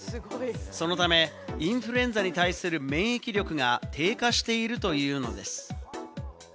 そのため、インフルエンザに対する免疫力が低下しているというのです。